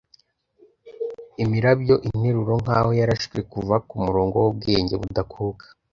Imirabyointeruro nkaho yarashwe kuva kumurongo wubwenge budakuka